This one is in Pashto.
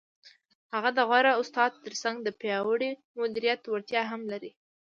هغه د غوره استاد تر څنګ د پیاوړي مدیریت وړتیا هم لري.